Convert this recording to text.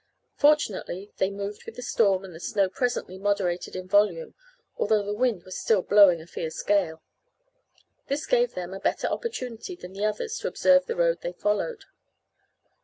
Fortunately they moved with the storm and the snow presently moderated in volume although the wind was still blowing a fierce gale. This gave them a better opportunity than the others to observe the road they followed.